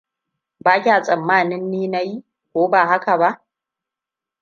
Ba kya tsammanin ni nayi, ko ba haka ba?